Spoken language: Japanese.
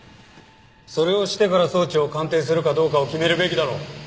それをしてから装置を鑑定するかどうかを決めるべきだろう。